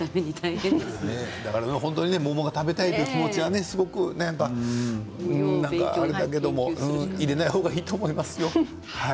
桃が食べたいという気持ちはすごく分かるけど入れない方がいいと思いますよ。